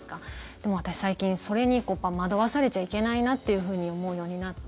でも私、最近それに惑わされちゃいけないなというふうに思うようになって。